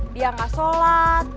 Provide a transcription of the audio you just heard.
dia gak sholat